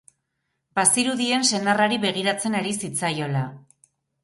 Bazirudien senarrari begiratzen ari zitzaiola.